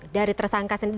dari tersangka sendiri